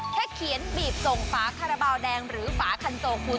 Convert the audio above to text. แค่เขียนบีบส่งฝาคาราบาลแดงหรือฝาคันโซคูณ